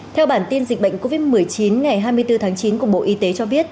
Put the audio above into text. theo bản tin dịch bệnh covid một mươi chín ngày hai mươi bốn tháng chín của bộ y tế cho biết